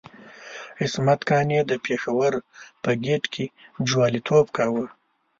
عصمت قانع د پېښور په ګېټ کې جواليتوب کاوه.